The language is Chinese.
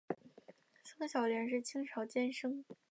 宋小濂是清朝监生。